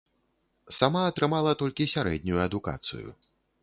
Сама атрымала толькі сярэднюю адукацыю.